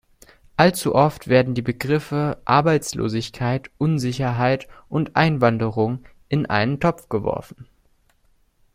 Allzu oft werden die Begriffe Arbeitslosigkeit, Unsicherheit und Einwanderung in einen Topf geworfen.